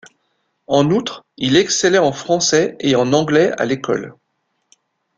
En outre, il excellait en français et en anglais à l'école.